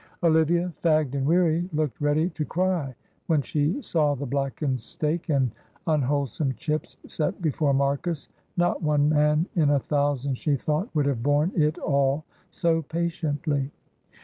Olivia, fagged and weary, looked ready to cry when she saw the blackened steak and unwholesome chips set before Marcus. Not one man in a thousand, she thought, would have borne it all so patiently.